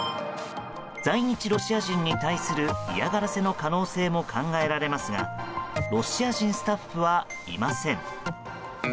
在日ロシア人に対する嫌がらせの可能性も考えられますがロシア人スタッフはいません。